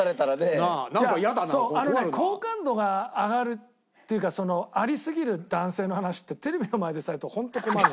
好感度が上がるっていうかありすぎる男性の話ってテレビの前でされると本当困る。